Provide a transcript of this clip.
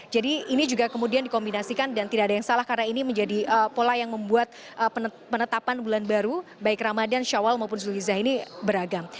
jadi ini juga kemudian dikombinasikan dan tidak ada yang salah karena ini menjadi pola yang membuat penetapan bulan baru baik ramadan shawwal maupun zuliza ini beragam